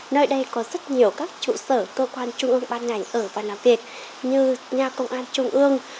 nơi đây có rất nhiều các trụ sở cơ quan trung ương ban ngành ở và làm việc như nhà công an trung ương